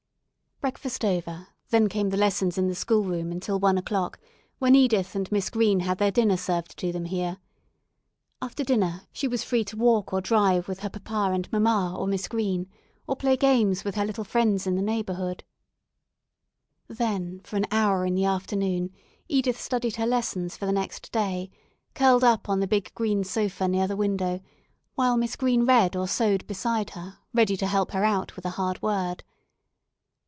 Breakfast over, then came the lessons in the schoolroom until one o'clock, when Edith and Miss Green had their dinner served to them here. After dinner she was free to walk or drive with her papa and mamma, or Miss Green, or play games with her little friends in the neighbourhood. Then for an hour in the afternoon Edith studied her lessons for the next day, curled up on the big green sofa near the window, while Miss Green read or sewed beside her, ready to help her out with a hard word.